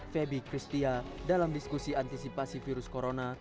febi christia dalam diskusi antisipasi virus corona